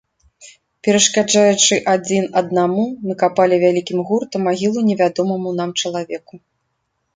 Перашкаджаючы адзін аднаму, мы капалі вялікім гуртам магілу невядомаму нам чалавеку.